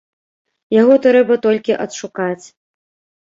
Яго трэба толькі адшукаць.